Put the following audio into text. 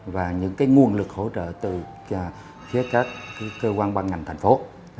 và những cái nguồn lực hỗ trợ từ khía các cơ quan ban ngành thành phố